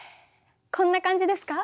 こんな感じですか？